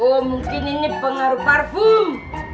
wah mungkin ini pengaruh parfum